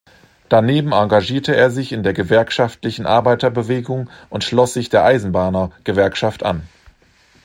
Daneben engagierte er sich in der gewerkschaftlichen Arbeiterbewegung und schloss sich der Eisenbahnergewerkschaft an.